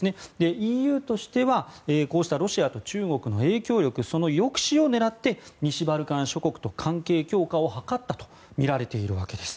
ＥＵとしてはこうしたロシアと中国の影響力のその抑止を狙って西バルカン諸国と関係強化を図ったとみられているわけです。